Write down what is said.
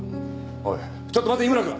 おいちょっと待て井村君。